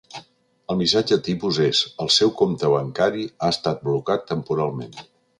El missatge tipus és El seu compte bancari ha estat blocat temporalment.